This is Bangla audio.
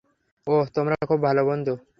ওহ, তোমরা খুব ভালো বন্ধু।